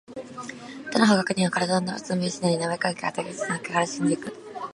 どの方向にも身体を廻したり、のびをしたりでき、柔かく暖かく、いよいよそのなかへ身体が沈んでいく。